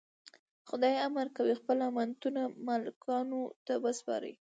خدای امر کوي خپل امانتونه مالکانو ته وسپارئ.